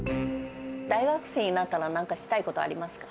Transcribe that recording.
大学生になったらなんかしたいことありますか。